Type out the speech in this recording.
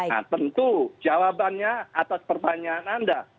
nah tentu jawabannya atas pertanyaan anda